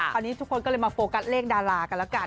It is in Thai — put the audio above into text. คราวนี้ทุกคนก็เลยมาโฟกัสเลขดารากันแล้วกัน